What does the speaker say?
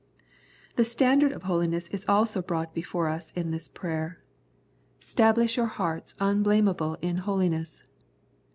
The standard of holiness is also brought before us in this prayer —*' Stablish your 10 Grace and Holiness hearts unblameable in holiness."